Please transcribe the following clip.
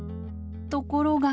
ところが。